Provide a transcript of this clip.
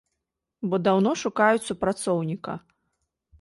Бо даўно шукаюць супрацоўніка.